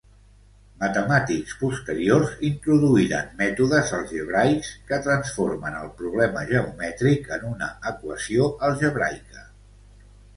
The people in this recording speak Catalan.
Matemàtics posteriors introduïren mètodes algebraics, que transformen el problema geomètric en una equació algebraica.